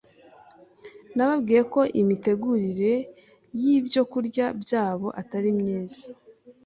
Nababwiye ko imitegurire y’ibyokurya byabo atari myiza,